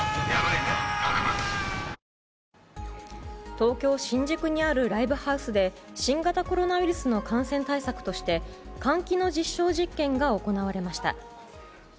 東京・新宿にあるライブハウスで新型コロナウイルスの感染対策として換気の実証実験が行われました。